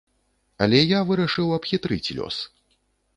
Але я вырашыў абхітрыць лёс.